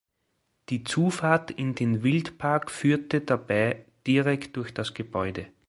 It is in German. Die Zufahrt in den Wildpark führte dabei direkt durch das Gebäude.